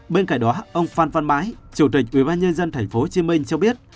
bên cạnh đó ông phan văn mãi chủ tịch ubnd tp hcm cho biết